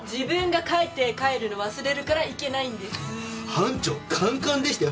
班長カンカンでしたよ。